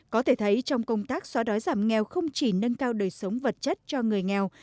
có thể thấy trong công tác xóa đói giảm nghèo không chỉ nâng cao đời sống vật chất cho người nghèo